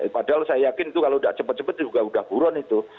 padahal saya yakin itu kalau tidak cepat cepat juga sudah buron itu